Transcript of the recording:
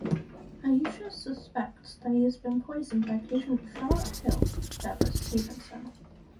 Ayesha suspects that he has been poisoned by patient Charlotte Hill (Debra Stephenson).